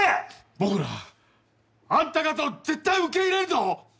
僕らはあんた方を絶対受け入れんぞ！